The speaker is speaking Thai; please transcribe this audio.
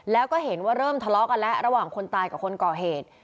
แล้วก็เห็นว่าเริ่มทะเลาะกันแล้วระหว่างคนตายกับคนก่อเหตุ